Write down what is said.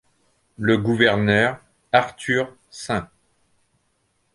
Le gouverneur Arthur St.